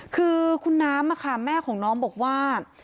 คือคุณน้ำแม่ของน้องบอกว่า